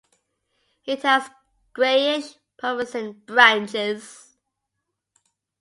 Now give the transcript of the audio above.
It has grayish pubescent branches.